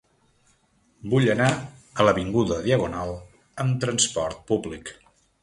Vull anar a l'avinguda Diagonal amb trasport públic.